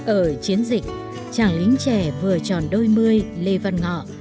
ở chiến dịch chàng lính trẻ vừa tròn đôi mươi lê văn ngọ